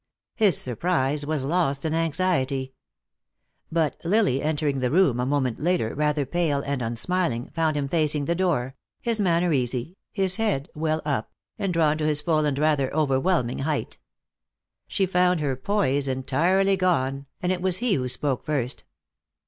His surprise was lost in anxiety. But Lily, entering the room a moment later, rather pale and unsmiling, found him facing the door, his manner easy, his head well up, and drawn to his full and rather overwhelming height. She found her poise entirely gone, and it was he who spoke first.